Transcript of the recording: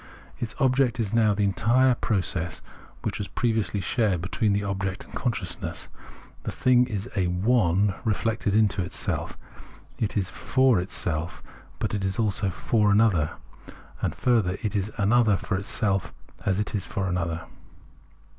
Its object is now the entire process which was previously shared between the object and consciousness. The thing is a "one," reflected into self ; it is for itself ; but it is also for an other ; and, further, it is an other for itself as it is for another.